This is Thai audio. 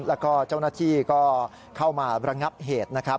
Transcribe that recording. แล้วก็เจ้าหน้าที่เข้ามาระงับเหตุ